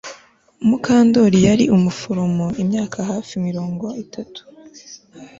Mukandoli yari umuforomo imyaka hafi mirongo itatu